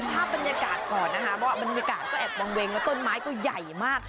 ภาพบรรยากาศก่อนนะคะเพราะว่าบรรยากาศก็แอบวางเวงแล้วต้นไม้ก็ใหญ่มาก